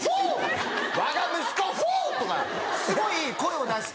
わが息子フォ！」とかすごい声を出して。